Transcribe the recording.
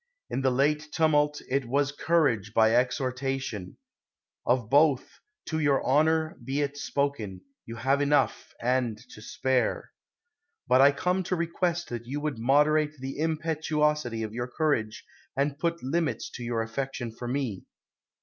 In the late tumult, it was courage by exhortation; of both, to your honor be it spoken, you have enough, and to spare. But I come to request that you would moderate the impetuosity of your courage, and put limits to your affection for me.